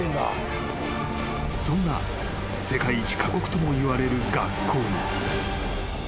［そんな世界一過酷ともいわれる学校に］